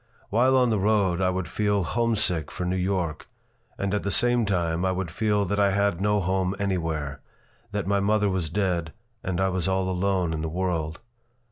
While on the road I would feel homesick for New York, and at the same time I would feel that I had no home anywhere, that my mother was dead and I was all alone in the world.